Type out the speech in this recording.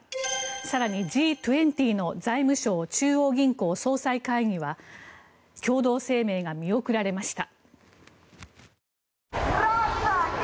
更に、Ｇ２０の財務相・中央銀行総裁会議は共同声明が見送られました。